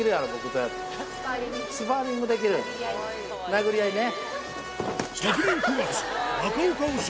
殴り合いね。